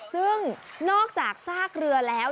ซึ่งนอกจากซากเรือแล้ว